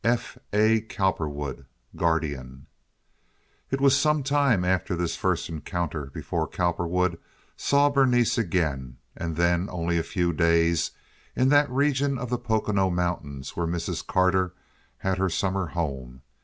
F. A. Cowperwood, Guardian It was some time after this first encounter before Cowperwood saw Berenice again, and then only for a few days in that region of the Pocono Mountains where Mrs. Carter had her summer home.